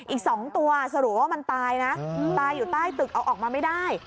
อีก๒ตัวสรุปว่ามันตายนะตายอยู่ใต้ตึกเอาออกมาไม่ได้